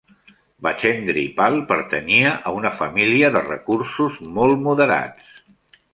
Bachendri Pal pertanyia a una família de recursos molt moderats.